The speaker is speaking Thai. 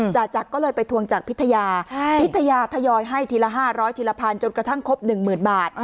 จจักรก็เลยไปทวงจากพิทยาพิทยาทยอยให้ทีละ๕๐๐ทีละพันจนกระทั่งครบ๑๐๐๐บาท